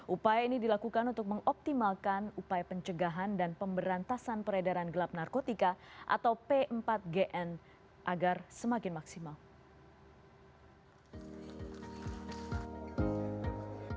upaya ini dilakukan untuk mengoptimalkan upaya pencegahan dan pemberantasan peredaran gelap narkotika atau p empat gn agar semakin maksimal